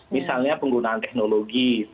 misalnya penggunaan teknologi